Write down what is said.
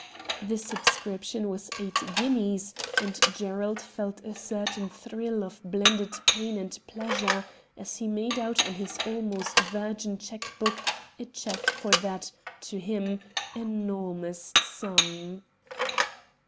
The subscription was eight guineas, and Gerald felt a certain thrill of blended pain and pleasure as he made out on his almost virgin cheque book a cheque for that, to him, enormous sum.